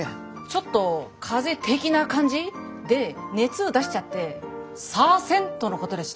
「ちょっと風邪的な感じ？で熱を出しちゃってさせん」とのことでした。